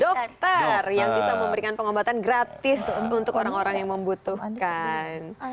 dokter yang bisa memberikan pengobatan gratis untuk orang orang yang membutuhkan